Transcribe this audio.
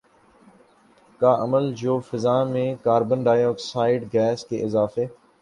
کا عمل جو فضا میں کاربن ڈائی آکسائیڈ گیس کے اضافے